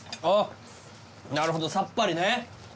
あっなるほどさっぱりね。